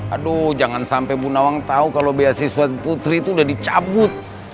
aduh jangan sampai bu nawang tahu kalau beasiswa putri itu udah dicabut